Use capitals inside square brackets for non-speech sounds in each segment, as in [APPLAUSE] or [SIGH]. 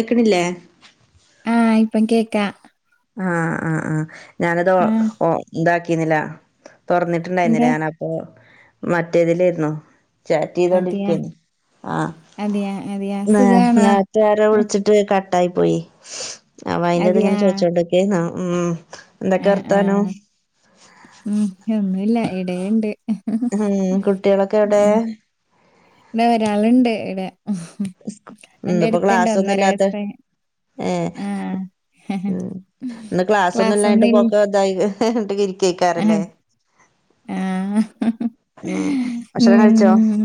ഏക്ക്‌ ആഹ് ഇപ്പം കേക്കാ ആഹ് ആഹ് ആഹ് ഞാനത് ഒ ആ ഓ ഇന്താക്കിന്നില്ല തൊറന്നി എന്തേ അതെയാ ആഹ് അതെയാ അതെയാ നേ സുഖാണോ? നേരത്തെ ആരോ വിളിച്ചിട്ട് കട്ടായി പോയി അതിയാ ക്കെ ന ഉം എന്തൊക്കെ ആഹ് വർത്താനം ആഹ് ഉം കുട്ടികളൊക്കെ എവിടെ ഇടെ ഒരാള്ണ്ട് ഇവിടെ സ്ക് എന്റെ ഇന്ന് ഇപ്പോ അടുത്തുണ്ട് ഒന്നര ക്ലാസ്സൊന്നുംല്ലാത്ത വയസ്സായ ഏഹ് ആ എന്നിട്ട് ക്ലാസ്സൊന്നും ഇൽ ആ ഇവരികെക്കാറില്ലേ ആ. ഉം ഉം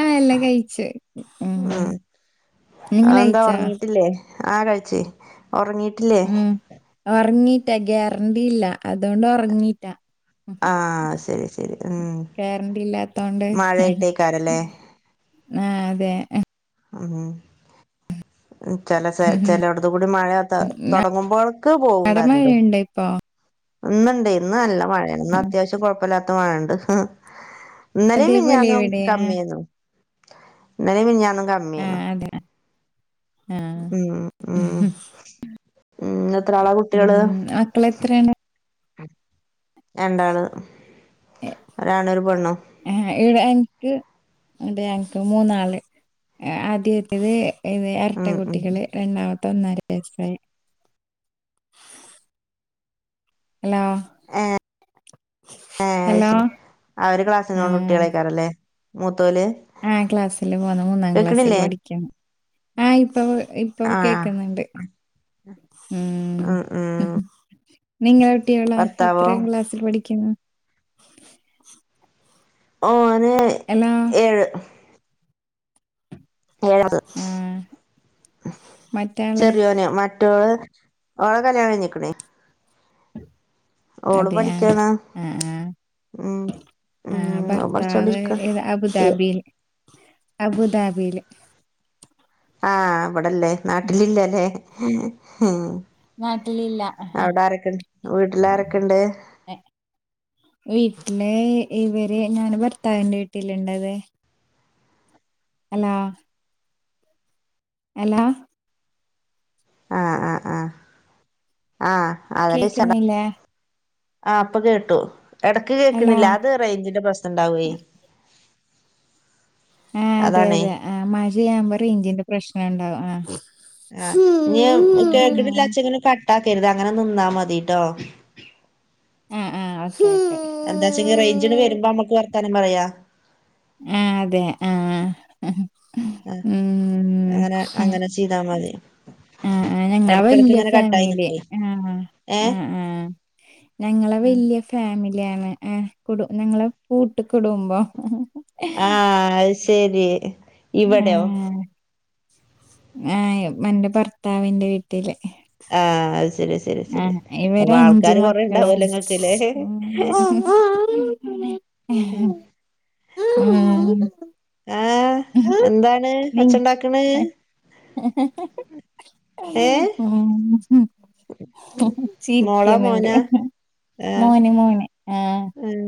ആ എല്ലാം കഴിച്ച് ഉം നിങ്ങള് കഴിച്ചോ? ഉം ഉറങ്ങീട്ടില്ലേ ഉം ഒറങ്ങീട്ടെ ഗ്യാരണ്ടില്ല അതൊണ്ട് ഒറങ്ങീറ്റാ ഉം ഉം ആഹ് ശരി ശരി ഉം മഴയായിട്ടേക്കാരല്ലേ ആഹ് അതെ ആഹ് ഉം ആഹ് ചെല ചെ ആഹ് ഇന്ന് ൺ ഇന്നലെ അതേപോലെ മിഞ്ഞാന്നും ഇവിടെ ആ കമ്മിയുന്നു ഇന്നലെ മിഞ്ഞാന്നും ആ കമ്മിയന്നു അതെ ആ ഉം ഉം ഉം എത്രാളാ ഉം കുട്ടിള് മക്കളെത്രയാണ്? രണ്ടാള് ഒരാണും ഒരു പെണ്ണും ഏഹ് എനിക്ക്- മൂന്നാള് ആദ്യത്തേത് ഇരട്ട ഉം ഉം കുട്ടികള് രണ്ട ത്തൊന്നര വയസായി ഏഹ് ഏഹ് അത് ഹലോ ശരി അവര് ക്ലാസ്സിനോട് കുട്ടികളെക്കാറല്ലേ ആഹ് ക്ലാസ്സില് പോന്ന് മൂന്നാം ക്ലാസ്സില് കേക്കണില്ലേ പഠിക്കണ് ആഹ് ഇപ്പപ് ഇപ്പൊ ആഹ് കേക്ക്‌ന്നുണ്ട് ഉം നിങ്ങള കുട്ടിയോളാ ഭർത്താവോ എത്രാം ക്ലാസ്സിൽ പഠിക്കുന്നു [INAUDIBLE] ഓന് ഹലോ ഏഴ് ഏഴത് ആ മറ്റാള് റ്റോള് ഓളെ കല്യാണം കഴിഞ്ഞ്ക്ണ് അതെയ ആഹ് ഉം ഉം ഓള് ഭർത്താവ് പഠിച്ചോണ്ടിരിക്ക ഏത് അബുദാബില് അബുദാബില് ആഹ് ഇവിടല്ലേ നാട്ടിലില്ലല്ലേ നാട്ടിലില്ല അവിടെ വീട്ടിൽ ആരൊക്കെയുണ്ട് ഏ, വീട്ടില് ഇവര് ഞാന് ഭർത്താവിന്റെ വീട്ടില ഇണ്ടാവെ അല്ല എല്ലാ അ അ അ അ അ കേക്കുന്നില്ലേ അ ഇപ്പ കേട്ടു ഹലോ അത് റേഞ്ചിന്റെ പ്രശ്നം ഉണ്ടാവെ - എ അതെ അതെ ആ മഴയാമ്പ [UNINTELLIGIBLE] ആഹ് ഞ്ഞിയും കേക്കണില്ല ച്ച ങ്ങനെ കട് ട്ടാക്കരുത് അങ്ങനൊ ഇന്നാ മതി ട്ടോ ആഹ് ആഹ് ഓക്കെ ഓക്കെ എന്താ വച്ചങ്കി റേഞ്ചിന് വരുമ്പോ നമ്മക്ക് വർത്താനം പറയാ ആഹ് അതെ അ അ ആഹ് അങ്ങന അങ്ങനെ ചെയ്താ മതി ആഹ് ആഹ് ഞങ്ങള് എടക്കെടക്ക് വല്യ ഇങ്ങനെ കട്ടായി ഫാമിലി നിക്കേ ആഹ് ഏഹ് ആഹ് ആഹ് ഞങ്ങള വലിയ ഫാമിലിയാണ് ആഹ് കുടു ഞങ്ങളെ കൂട്ട് കുടുമ്പോ അ അഹ് ശരി ഇവിടെയോ എ എന്റെ ഭർത്താവിന്റെ വീട്ടില് ആ അഹ് ശരി ശ ഹ് ഇവരഞ്ച് മക്കള ഉണ്ടാവല്ലോ ഇങ്ങക്ക്ല്ലേ ഉം ഉം ആഹ് എന്താണ് ഒച്ചണ്ടാക്കണ് ഏഹ് ഉം മോളാ ചിരിക്കുന്നുണ്ട് മോനാ ആഹ് മോന് മോന് അ ആഹ്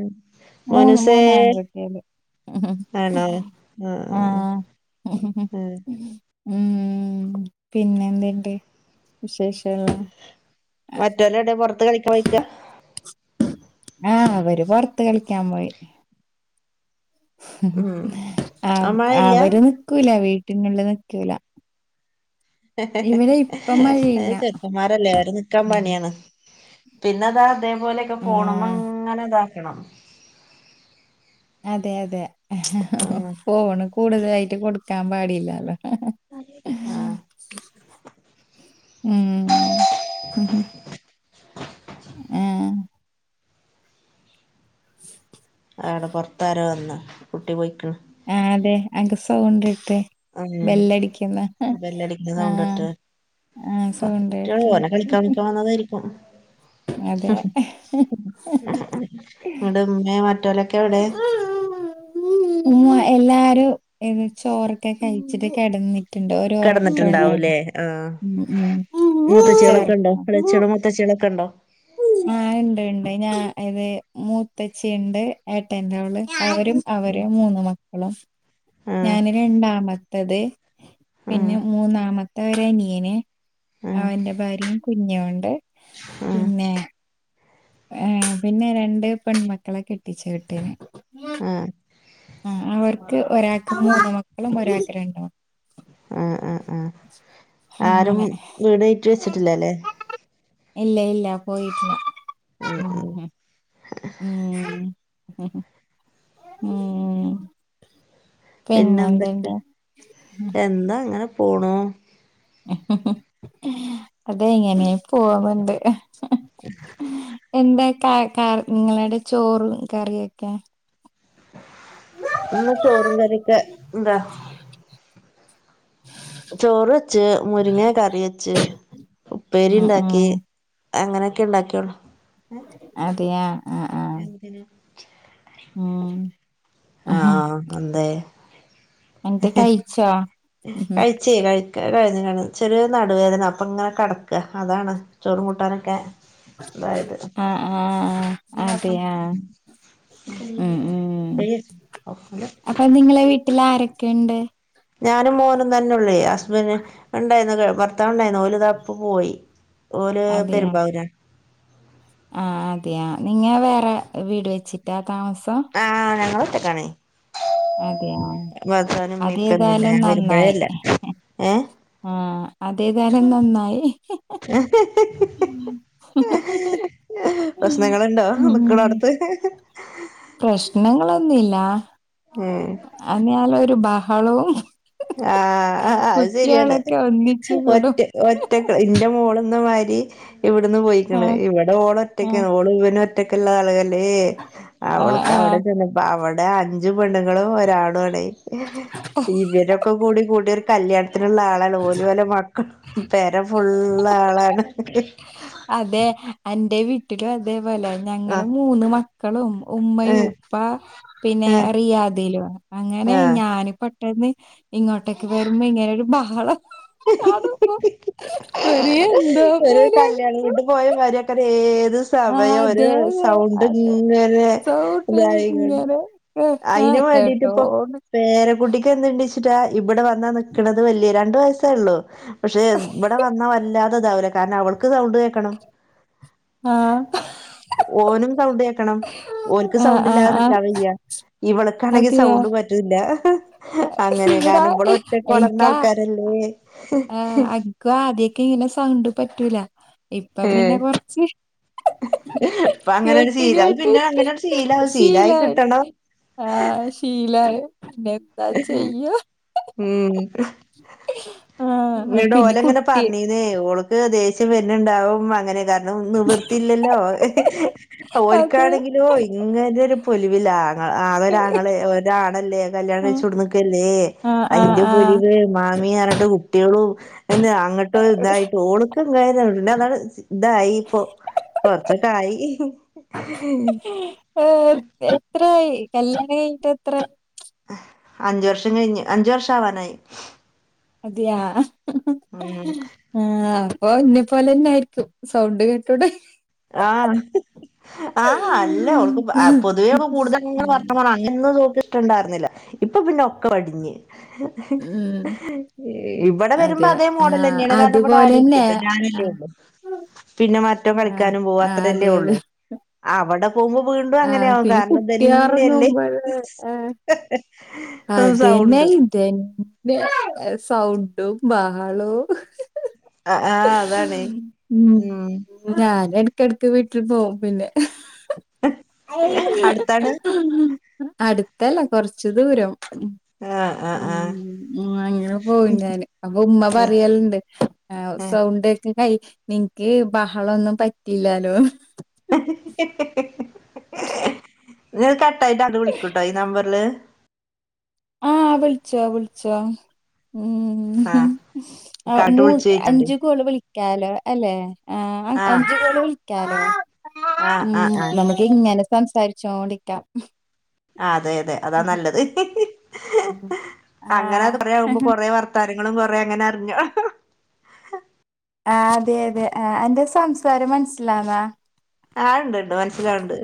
മൂന്ന് മോനുസേ മൂന്ന് ആൺകുട്ടികള് ആണോ ആഹ് ആഹ് ഉം പിന്നെ എന്ത്‌ണ്ട് വിശേഷേള്ള മറ്റോല് എവിടെ പൊറത്ത് കളിക്കാ പോയെക്ക ആഹ് അവര് പൊറത്ത് കളിക്കാൻ പോയി ഉം ആഹ് അവൻ മഴയില്ല അവര് നിക്കൂല വീട്ടിനുള്ളിൽ നിക്കൂല ഇവിടെ ഇപ്പം മഴയില്ല ചെക്കന്മാരല്ലേ ആവര് നിക്കാൻ പണിയാണ് പിന്നതാ അതേപോലെക്കെ ഫോണൊന്ന് ആഹ് അങ്ങനെ ഇതാക്കണം അതെ അതെ ഉം ഫോണ് കൂടുതലായിട്ട് കൊടുക്കാൻ പാടില്ലാലോ [INAUDIBLE] ഉം [INAUDIBLE] ആഹ് ച് അതവിട പൊറത്താരോ വന്ന് കുട്ടി പോയിക്കണ് ആഹ് അതെ അൻ്റെ സൗണ്ട് ത്തെ ഉം ബെല്ലടിക്കുന്ന ആഹ് ആ കുട്ടികള് ഓനെ കളിക്കാൻ വിളിക്കാൻ വന്നതായിരിക്കും ഹു അതെ ഹും നിങ്ങടെ ഉമ്മെ മറ്റോലക്ക്‌ എവിടെ എപ് ഉമ്മ എല്ലാരും ഇവി ചോറൊക്കെ കയ്ച്ചിട്ട് കെടന്നി ട്ട്ണ്ട് ഒര് ഒറക്കം ഉണ്ടല്ലോ കെടന്നിട്ടുണ്ടാവൂലേ ആഹ് ഉം ഉം ഉച്ച മൂത്തച്ചികളൊക്കെ ഉണ്ടോ ഒറക്കം എളച്ചികളും മൂത്തച്ചികളൊക്കെ ഉണ്ടോ ആഹ് ഉണ്ട് ഉണ്ട് ഞാ ഇത് മൂത്തച്ചി ഉണ്ട് ഏട്ടന്റോള് അവരും ഉം അവരെ മൂന്ന് മക്കളും ആഹ് ഞാന് രണ്ടാമത്തത് ആഹ് പിന്നെ മൂന്നാമത്തെ ഒരനിയനെ അവന്റെ ഭാര്യയും കുഞ്ഞു ഞ്ഞോണ്ട് ആഹ് പിന്നെ ഏഹ് പിന്നെ രണ്ട് പെൺമക്കളെ കെട്ടിച്ച് വിട്ട്ന് ആഹ് ക്ക്‌ ഒരാക്ക് മൂന്ന് മക്കളും ഒരാക്ക് രണ്ട് മക്ക ആഹ് ആഹ് ആഹ് ആരും അങ്ങനെ വീട്കേറ്റി വെച്ചിട്ടില്ലല്ലേ ഇല്ല ഇല്ല പോയിട്ടില്ല ഉം ഉം ഉം ഉം ഹൂം പിന്നെന്തൊക്കെ? എന്താ അങ്ങനെ പോണു ഹ് ഹ് ഹും അതെ എങ്ങനെ പോവൻണ്ട് എന്താ ക കർ നിങ്ങളുടെ ചോറും കറിയൊക്കെ ഇന്ന് ചോറും കറിയൊക്കെ എന്താ? ചോറ് വെച്ച് മുരിങ്ങ കറി വെച്ച് ഉപ്പേരി ഉം ഇണ്ടാക്കി ഉം അങ്ങനെയൊക്കെ ഇണ്ടാക്കിയൊള്ളൊ അതെയാ ആ എന്തിനാ ഉം ആ ഉം ആ എന്തെ എന്നിട്ട് ഹ് കഴിച്ചോ ഹും കഴിച്ചേ കഴിക്ക കഴിഞ്ഞ് കഴിഞ്ഞ് ചെറിയൊരു വേദന ചെറിയനടുവേദന അപ്പം ഇങ്ങനെ കടക്ക അതാണ് ചോറും കൂട്ടാനൊക്കെ അതായത് ആഹ് ആഹ് നി മാത്രം അതെയാ ഉം ഉം [UNINTELLIGIBLE] കെണ്ട് ഞാനും മോനും തന്നൊള്ളേ ഹസ്ബന്റ് ഉണ്ടായിർന്ന് ഭർത്താവ് ഉണ്ടായിർന്ന് ഓല് താപ്പ പോയി ഓല് പെരു ആ അതെയ നിങ്ങ വേറെ വീട് വെച്ചിട്ടാ താമസം ആ ഞങ്ങള് ഒറ്റ ക്കാണേ അതെയാ ഭർത്തതാവിന് ഉമ്മീപ്പൊന്നുല്ല അതേതായാലും ഞാൻ വരുമ്പോഴേ ഇല്ല ഏ ആ അതേതായാലും നന്നായി [UNINTELLIGIBLE] പ്രശ്നങ്ങളുണ്ടോ നിക്കണോട്ത്ത് പ്രശ്നങ്ങളൊന്നില്ല ഉം അതിനാല ഒരു ബഹളവും ആ ആ അത് ശെരി ശരിയാണ് കുട്ട്യാളൊക്കെ ഒന്നിച്ച് കൂടും ഒറ്റ ഒറ്റ ഇന്റെ മോള്ന്ന് മാരി ഇവിടുന്ന് പോയിക്ക്ണ് ആഹ് ഇവിടെ ഓള് ആഹ് ഒറ്റക്കാണ് ഓള് ഇവനും ഒറ്റക്ക് ഇള്ള ആളുകല്ലെ ഹേ ആഹ് അവൾക്കവിടെ ചെന്നപ്പൊ അവടെ അഞ്ച് പെണ്ണ്ങ്ങളും ഒരാണും ആണേ ഇവര് ഒ കൂട്ടിയ കല്യാണത്തിനുള്ള ആളാണ് ഓലും ഓലെ മക്കളും പെര ഫുള്ള് ആഹ് ആളാണ് ഹ ഹ ഹ അതെ എന്റെ വീട്ടിലും അതേപോലെ ഞങ്ങള് ആഹ് മൂന്ന് മക്കളും ഉമ്മയും ഏഹ് ഉപ്പ പിന്നെ ഏഹ് റിയാദിലും അങ്ങനെ ആഹ് ഞാനിപ്പ ന്ന് ഇങ്ങോട്ടേക്ക് വരുമ്പോ ഇങ്ങനെ ബഹളം കാണുമ്പോ ഒരു എന്തോ ഒരു പോലെയാണ് കല്യാണം വീട്ട് പോയ കാര്യൊക്കെ രേ ഒരു ആഹ് സമയം ഒരു അതെ അതെ സൗണ്ട് അതെ ഇങ്ങനെ സൗണ്ട് ഇതായി ഇങ്ങനെ അയിന് ആഹ് വേണ്ടീട്ട് ഇപ്പൊ കേട്ടോണ്ട് പേരക്കുട്ടിക്ക് എന്ത്‌ണ്ട്ച്ചിട്ടാ ഇബടെ വന്നാ നിക്കണത് വല്യ രണ്ട് വയസേ ഉള്ളു, പക്ഷെ ഇവിടെ വന്നാ വല്ലാതതാവൂല കാരണം, അവൾക്ക് സൗണ്ട് കേക്കണം. ആഹ് ഓനും സൗണ്ട് കേക്കണം ഓൻക്ക് ആഹ് സൗണ്ട് ആഹ് ഇല്ലാതെ ആഹ് നിൽക്കാൻ വയ്യ. ഇവൾക്കാണെങ്കിൽ അതെയോ സൗണ്ട് പറ്റുന്നില്ല ഹ ഹ അങ്ങനെ ഇവിടെ കാരണം, ഇവൾ ഒറ്റക്ക് വളർന്ന ആൾക്കാരല്ലേ ആ അക്കും ആദ്യൊക്കെ ഇങ്ങനെ സൗണ്ട് പറ്റൂല ഇപ്പ ഏഹ് പിന്നെ കൊറച്ച് ഹ ഹ ഇപ്പൊ അങ്ങനെ ഒരു കേട്ട് ശീല അത് പിന്നെ കേട്ടിട്ട് അങ്ങനെ ഒരു ശീലാവും ശീലായി കിട്ടണം ആ ശീലായി എന്താ ചെയ്യ ഹ ഉം ഹ ഹ ഹ ആ ഇങ്ങട്ട് പിന്നെ ഓലങ്ങനെ കുട്ടി പറഞ്ഞീന്നേ ഓൾക്ക് ദേഷ്യം വര്ണണ്ടാവും അങ്ങനെ കാരണം, നിവൃത്തിയില്ലല്ലോ അതെ ഓര്ക്കാണെങ്കിലോ ഇങ്ങന ഒരു പൊലിവിലാ ആ ഒരാങ്ങളെ ഒരാണല്ലേ ആഹ് കല്യാണം കഴി [UNINTELLIGIBLE] ല്ലേ ആഹ് ആഹ് അയിന്റെ ആഹ് പൊലിവ് [UNINTELLIGIBLE] കുട്ടികളും അങ്ങോട്ടും ഇതായിട്ട് ഓള്ക്ക് [UNINTELLIGIBLE] ഇതായി ഇപ്പൊ കൊർചൊക്കെ ആയി ഹും ഹും ഏഹ് എത്രായി കല്യാണം കഴിഞ്ഞിട്ട് എത്ര? അഞ്ചു വർഷം കഴിഞ്ഞ് അഞ്ചു വർഷം ആവാനായി. അതെയാ ഹ ഹ ഉം ഹ ആ പ്പോ ന്നി പോലെന്നെ ആരിക്കും സൗണ്ട് കേട്ടോടെ ആ ഹ ഹ ആ അല്ല ഓൾക്ക് ആ പൊതുവേക്ക്‌ കൂടുതലിങ്ങനെ വർത്തമാനം അങ്ങനൊള്ളത് ഓക്കിഷ്ട്ടോണ്ടാരുന്നില്ല. ഇപ്പ പിന്നൊ ക്കടിഞ്ഞ്, ഹ ഉം ഹ ഇവടെ വരുമ്പ അതെ അതേ ആഹ് മോഡലന്നെണ് കാരണം ഇവിടെ ആരു അതുപോലെന്നെ ല്ലല്ലോ ഞാനല്ലേ ആഹ് ഉള്ളൂ പിന്നെ മറ്റവൻ കളി ആഹ് ക്കാനും പോവു ആഹ് അത്രല്ലേ അതെ അതെ ഉള്ളൂ അവടെക്കെ പോവുമ്പം വീണ്ടും ആഹ് അങ്ങനെയാകും പിന്നെ കാരണം ഇതന്നെല്ലേ. കുട്ടിയൊറങ്ങുമ്പഴ് അതെന്നെ ഇതെന്നെ സൗണ്ടും ബഹളോം. ആഹ് ആഹ് അതാണ് ഉം ഞാനെ കെടക്ക വീട്ടിൽ പോവും പിന്നെ, ഹ അടുത്താണ് ഹ അടുത്തല്ല കൊറച്ച് ദൂരം ആഹ് ആഹ് ആഹ് ഉം ആയിങ്ങനെ പോയിണ്ടായ്നി അപ്പൊ ഉമ്മ പറയലുണ്ട് ആ ഏഹ് സൗണ്ടക്കെ യ് നിൻക്ക് ബഹളൊന്നും പറ്റില്ലാലോന്ന്. ഹ ഹ ഹ ഹ ഹ [INAUDIBLE] നിയത് കട്ടായിട്ടത് വിളിക്കൂട്ടോ ഈ നമ്പർല്. വിൾച്ചോ വിൾച്ചോ. ഉം ആഹ് ഹും ആ ഇക്കാട്ട് മൂ വിളിച്ചു ചോയിച്ചണ്ട് അഞ്ചുകോള് വിളിക്കാലോ അല്ലേ? ആ ആഹ് അഞ്ചു കോള് വിളിക്കാലോ ആഹ് ഉം ആഹ് ആഹ് നമുക്കിങ്ങനെ സംസാരിച്ചോണ്ടിക്കാം ഹും ആ അതെ അതെ അതാ നല്ലത്. ഹ ഹ ആഹ് ഹ ആ അങ്ങനെ അത്രയാകുമ്പ കൊറേ വർത്താനം ങ്ങളും കൊറേ അങ്ങനറിഞ്ഞോ ഹ ഹ ആ അതെ അതെ ആ അന്റെ സംസാരം മൻസ്സിലാന്നാ? ആ ണ്ട്ണ്ട് മനസ്സിലാവ്ണ്ട്.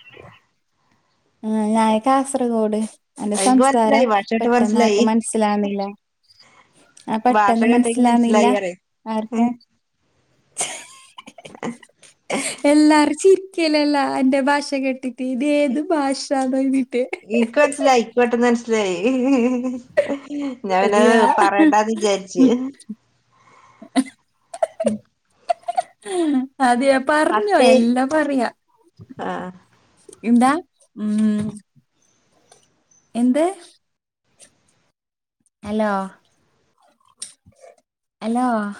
അല്ലെങ്കി ആ ഞാൻ കാസർഗോഡ്. അന്റെ എനിക്ക് സംസ്‌കാരം മനസ്സിലായി ഭാഷ കേട്ട് പെട്ടന്ന് മനസ്സിലായി ആർക്കും മൻസ്സിലാവുന്നില്ല. ആ ഭാഷ പെട്ടന്ന് കേട്ട് ഇൻക്ക് മൻസ്സിലാന്നില്ല മനസ്സിലായി പറയ അവർക്കെ. എല്ലാറും ചി ക്കലല്ലാ അന്റെ ഭാഷ കേട്ടിട്ട്. ഇത് ഏത് ഭാഷാണോ ഇതി ഇക്ക് മനസ്സിലായി ഇക്ക് പെട്ടന്ന് മൻസിലായി. ഞാൻ പിന്നെ അതെയാ പറയണ്ടാന്ന് വിചാരിച്ച്. [UNINTELLIGIBLE] അതേയോ പർഞ്ഞോ പത്തേ എല്ലാം പറയാ. ആഹ് ഇന്താ? ഉം. എന്ത്? Hello hello